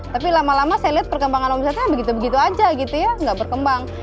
tapi lama lama saya lihat perkembangan website nya begitu begitu saja tidak berkembang